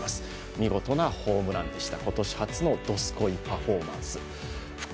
見事なホームランでした。